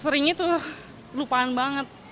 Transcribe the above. sering itu lupaan banget